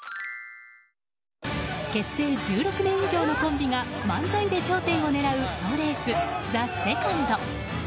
結成１６年以上のコンビが漫才で頂点を狙う賞レース「ＴＨＥＳＥＣＯＮＤ」。